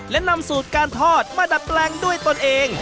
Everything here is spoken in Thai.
และนำสูตรการทอดมาดัดแปลงด้วยตนเอง